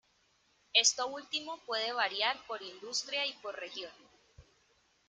Esto último puede variar por industria y por región.